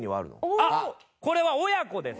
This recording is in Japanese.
これは親子です。